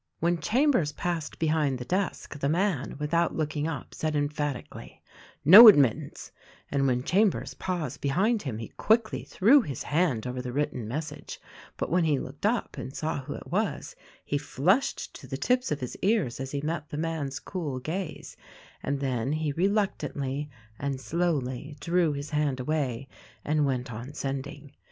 When Chambers passed behind the desk the man, with out looking up, said emphatically, "No admittance," and when Chambers paused behind him he quickly threw his hand over the written message; but when he looked up and saw who it was he flushed to the tips of his ears as he met the man's cool gaze, and then he reluctantly and slowly drew his hand away and went on sending.